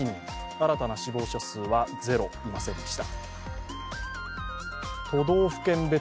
新たな死亡者数はゼロいませんでした。